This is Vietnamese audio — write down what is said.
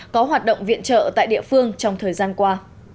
có hoạt động viện trợ tại địa phương trong thời gian qua